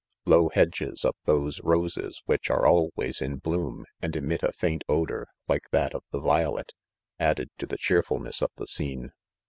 ■, Low hedges of those roses which are al ways in bloom, and emit a faint odor, like that of the violet, added to the cheerfulness of the scene.